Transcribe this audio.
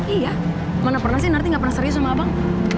iya mana pernah sih nanti gak pernah serius sama abang